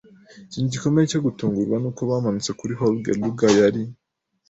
ikintu gikomeye cyo gutungurwa nuko bamanutse kuri Hole lugger yari